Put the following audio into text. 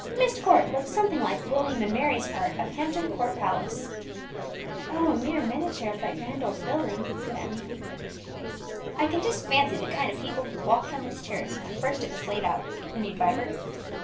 Myst Court looks something like William and Mary's part of Hampton Court Palace." "Oh, a mere miniature of that grand old building," said Emmie. "I can just fancy the kind of people who walked on this terrace when first it was laid out," continued Vibert.